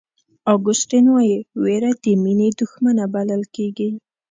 اګوستین وایي وېره د مینې دښمنه بلل کېږي.